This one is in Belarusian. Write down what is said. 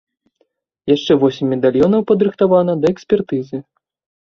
Яшчэ восем медальёнаў падрыхтавана да экспертызы.